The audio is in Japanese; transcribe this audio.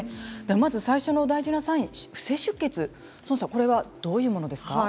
まず最初の大事なサイン不正出血どういうものですか？